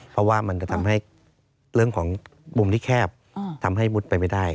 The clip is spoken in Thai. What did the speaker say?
เพราะว่ามันจะทำให้เรื่องของมุมที่แคบทำให้มุดไปไม่ได้